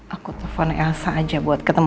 aku telfon elsa aja buat pertemu